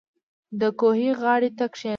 • د کوهي غاړې ته کښېنه.